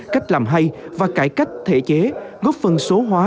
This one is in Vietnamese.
cách làm hay và cải cách thể chế góp phần số hóa